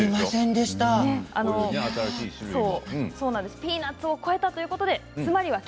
ピーナッツを超えたということでＱ